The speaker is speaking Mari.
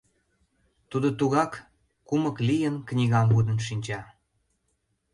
Тудо тугак, кумык лийын, книгам лудын шинча.